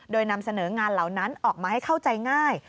โดยนำเสนองานเหล่านั้นออกมาให้เข้าใจง่าย